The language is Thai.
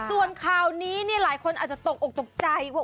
ส่วนข่าวนี้หลายคนอาจจะตกออกตกใจว่า